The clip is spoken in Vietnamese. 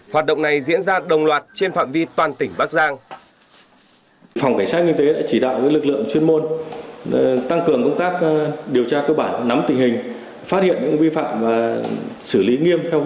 hoạt động này diễn ra đồng loạt trên phạm vi toàn tỉnh bắc giang